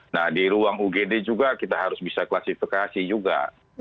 nah di ruang ugd juga kita harus bisa klasifikasi juga